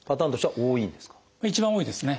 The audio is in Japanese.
一番多いですね。